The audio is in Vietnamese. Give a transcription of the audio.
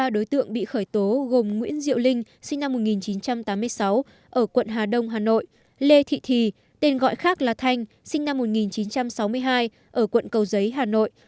ba đối tượng bị khởi tố gồm nguyễn diệu linh sinh năm một nghìn chín trăm tám mươi sáu ở quận hà đông hà nội lê thị thì tên gọi khác là thanh sinh năm một nghìn chín trăm sáu mươi hai ở quận cầu giấy hà nội